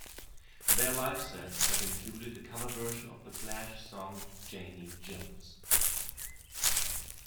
Their live sets have included a cover version of The Clash's song, "Janie Jones".